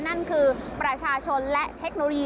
นั่นคือประชาชนและเทคโนโลยี